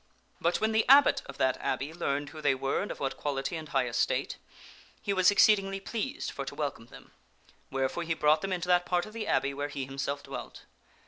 But when the abbot of that abbey learned who they were and of what quality and high estate, he was exceedingly pleased for to welcome them, wherefore he brought them into that part of the abbey where he himself dwelt.